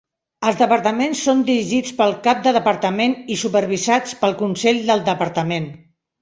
Els departaments són dirigits pel cap de departament i supervisats pel Consell del departament.